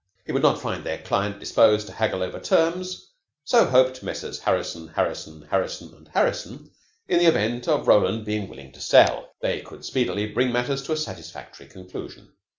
He would not find their client disposed to haggle over terms, so, hoped Messrs. Harrison, Harrison, Harrison & Harrison, in the event of Roland being willing to sell, they could speedily bring matters to a satisfactory conclusion.